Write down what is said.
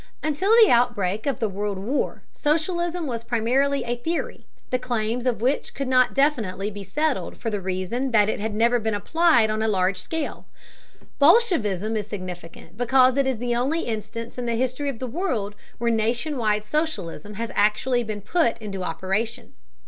Until the outbreak of the World War socialism was primarily a theory, the claims of which could not definitely be settled for the reason that it had never been applied on a large scale. Bolshevism is significant because it is the only instance in the history of the world where nation wide socialism has actually been put into operation.